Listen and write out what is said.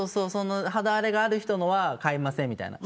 肌荒れがある人のは買いませんみたいな。